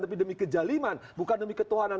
tapi demi kejaliman bukan demi ketuhanan